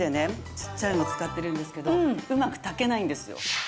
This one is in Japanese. ちっちゃいの使ってるんですけどうまく炊けないんですよ。